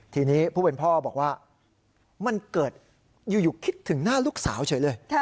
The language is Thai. ทีนี้ผู้เป็นพ่อบอกว่ามันเกิดอยู่คิดถึงหน้าลูกสาวเฉยเลย